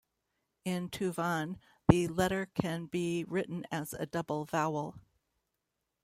In Tuvan the letter can be written as a double vowel.